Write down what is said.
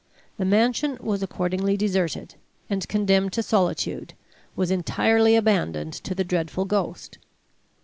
The mansion was accordingly deserted, and, condemned to solitude, was entirely abandoned to the dreadful ghost.